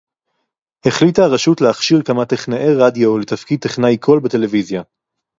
החליטה הרשות להכשיר כמה טכנאי רדיו לתפקיד טכנאי קול בטלוויזיה